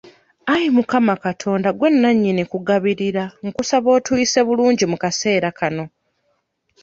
Ayi mukama Katonda gwe nannyini kugabirira nkusaba otuyise bulungi mu kaseera kano.